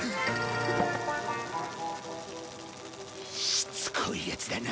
しつこいヤツだな。